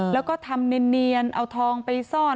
แล้วก็ทำเนียนเอาทองไปซ่อน